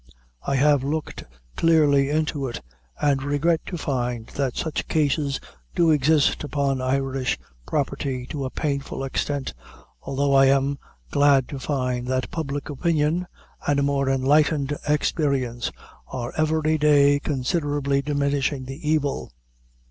I have looked clearly into it, and regret to find that such cases do exist upon Irish property to a painful extent, although I am, glad to find that public opinion, and a more enlightened experience, are every day considerably diminishing the evil."